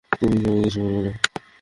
তুমি কি আমাকে কিছুই বলবে না?